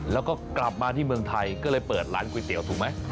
แล้วก็กลับมาที่เมืองไทยก็เลยเปิดร้านก๋วยเตี๋ยวถูกไหม